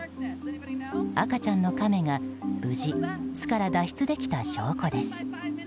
赤ちゃんのカメが無事巣から脱出できた証拠です。